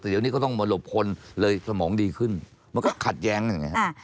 แต่เดี๋ยวนี้ก็ต้องมาหลบคนเลยสมองดีขึ้นมันก็ขัดแย้งนะครับ